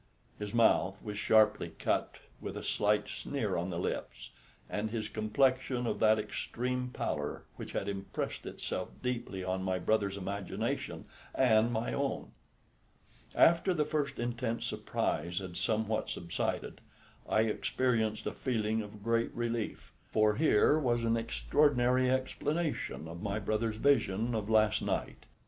His mouth was sharply cut, with a slight sneer on the lips, and his complexion of that extreme pallor which had impressed itself deeply on my brother's imagination and my own. After the first intense surprise had somewhat subsided, I experienced a feeling of great relief, for here was an extraordinary explanation of my brother's vision of last night.